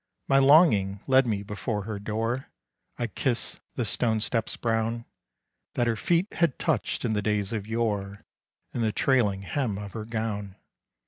My longing led me before her door; I kissed the stone steps brown, That her feet had touched in the days of yore, And the trailing hem of her gown.